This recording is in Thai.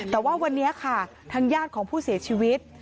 แต่ว่าวันนี้ค่ะทางญาติของผู้เสียชีวิต